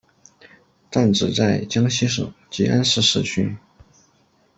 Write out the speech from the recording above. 站址在江西省吉安市市区。